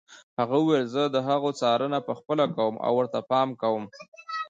هغه وویل زه د هغو څارنه پخپله کوم او ورته پام کوم.